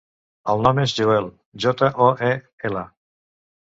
El nom és Joel: jota, o, e, ela.